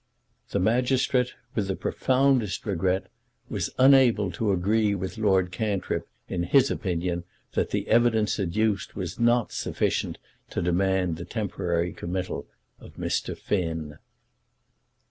The magistrate, with the profoundest regret, was unable to agree with Lord Cantrip in his opinion that the evidence adduced was not sufficient to demand the temporary committal of Mr. Finn.